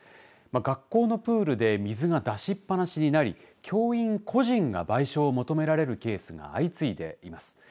学校のプールで水が出しっぱなしになり教員個人が賠償を求められるケースが相次いでいます。